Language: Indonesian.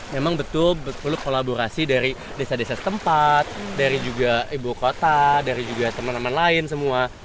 memang betul betul kolaborasi dari desa desa setempat dari juga ibu kota dari juga teman teman lain semua